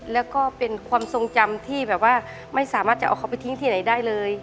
แล้วก็เป็นความทรงจำที่แบบว่าไม่สามารถจะเอาเขาไปทิ้งที่ไหนได้เลย